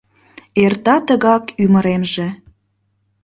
Эрта тыгак ӱмыремже